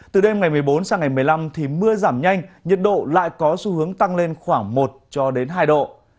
từ đêm ngày một mươi bốn sang ngày một mươi năm thì mưa giảm nhanh nhiệt độ lại có xu hướng tăng lên khoảng một cho đến hai độ